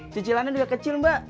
cicilannya juga kecil mbak